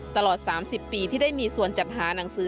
ตลอด๓๐ปีที่ได้มีส่วนจัดหาหนังสือ